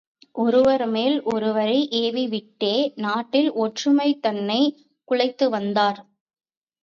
ஒருவர்மேல் ஒருவரை ஏவிவிட்டே நாட்டில் ஒற்றுமை தன்னைக் குலைத்துவந்தார்.